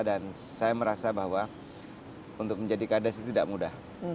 dan saya merasa bahwa untuk menjadi kardes itu tidak mudah